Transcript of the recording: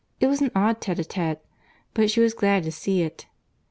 —It was an odd tête à tête; but she was glad to see it.